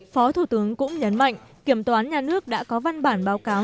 phó thủ tướng cũng nhấn mạnh kiểm toán nhà nước đã có văn bản báo cáo